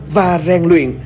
và rèn luyện